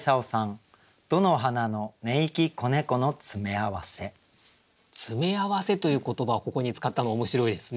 「詰め合わせ」という言葉をここに使ったのは面白いですね。